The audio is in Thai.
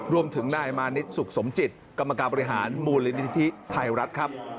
รวมถึงนายมานิดสุขสมจิตกรรมการบริหารมูลนิธิไทยรัฐครับ